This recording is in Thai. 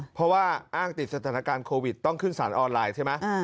เพราะว่าอ้างติดสถานการณ์โควิดต้องขึ้นสารออนไลน์ใช่ไหม